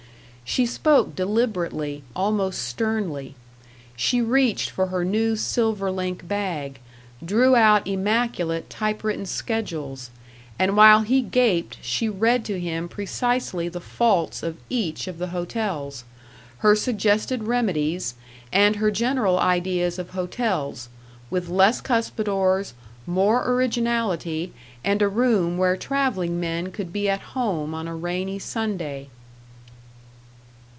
She spoke deliberately, almost sternly. She reached for her new silver link bag, drew out immaculate typewritten schedules, and while he gaped she read to him precisely the faults of each of the hotels, her suggested remedies, and her general ideas of hotels, with less cuspidors, more originality, and a room where traveling men could be at home on a rainy Sunday.